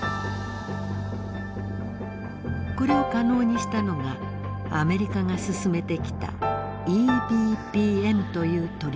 これを可能にしたのがアメリカが進めてきたＥＢＰＭという取り組み。